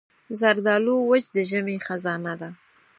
زردالو وچ د ژمي خزانه ده.